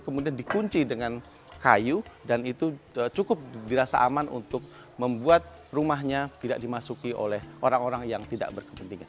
kemudian dikunci dengan kayu dan itu cukup dirasa aman untuk membuat rumahnya tidak dimasuki oleh orang orang yang tidak berkepentingan